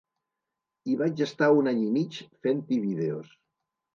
I vaig estar un any i mig fent-hi vídeos.